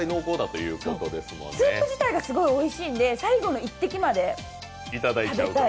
スープ自体がすごくおいしいんで、最後の一滴まで食べたい。